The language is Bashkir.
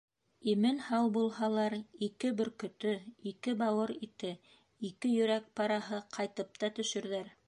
Имен-һау булһалар, ике бөркөтө, ике бауыр ите, ике йөрәк параһы, ҡайтып та төшөрҙәр.